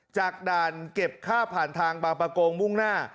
จากด่านเก็บค่าผ่านทางบางประกงมุ่งหน้า